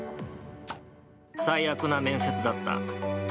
最悪な面接だった。